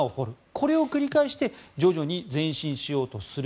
これを繰り返して徐々に前進しようとする。